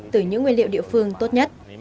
từ những nguyên liệu địa phương tốt nhất